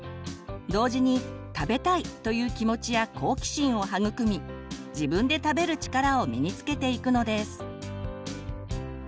同時に「食べたい」という気持ちや好奇心を育み自分で食べる力を身につけていくのです。